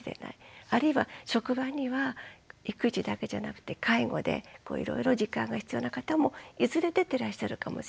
あるいは職場には育児だけじゃなくて介護でいろいろ時間が必要な方もいずれ出てらっしゃるかもしれない。